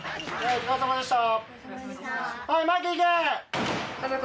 お疲れさまでした。